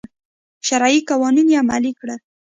شرعي قوانین یې عملي کړل.